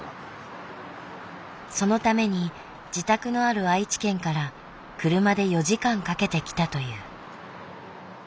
そのために自宅のある愛知県から車で４時間かけて来たという。